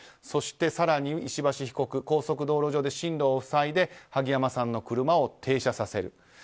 そして更に石橋被告高速道路上で進路を塞いで萩山さんの車を停車させる。